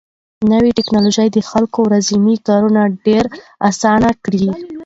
نوې ټکنالوژي د خلکو ورځني کارونه ډېر اسانه کړي